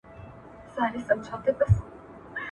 څوک د هېوادونو ترمنځ اقتصادي اړیکي پراخوي؟